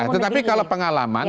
tetapi kalau pengalaman